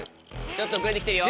ちょっと遅れてきてるよ。